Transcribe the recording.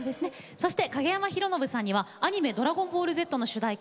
そして影山ヒロノブさんにはアニメ「ドラゴンボールＺ」の主題歌